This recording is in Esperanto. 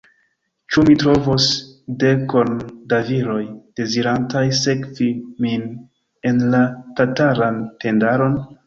Ĉu mi trovos dekon da viroj, dezirantaj sekvi min en la tataran tendaron?